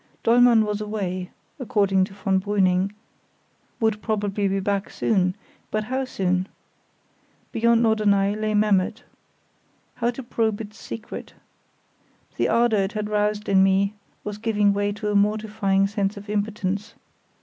Dollmann was away (according to von Brüning), "would probably be back soon"; but how soon? Beyond Norderney lay Memmert. How to probe its secret? The ardour it had roused in me was giving way to a mortifying sense of impotence.